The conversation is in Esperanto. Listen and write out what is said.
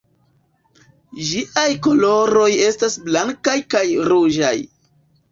Ĝiaj koloroj estas blankaj kaj ruĝaj.